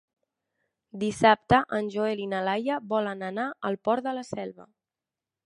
Dissabte en Joel i na Laia volen anar al Port de la Selva.